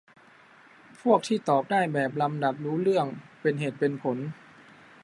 พวกที่ตอบได้แบบลำดับรู้เรื่อง เป็นเหตุเป็นผล